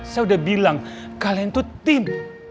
saya udah bilang kalian itu tim